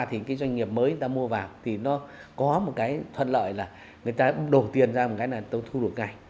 thì cái doanh nghiệp mới người ta mua vào thì nó có một cái thuận lợi là người ta đổ tiền ra một cái là thu được ngành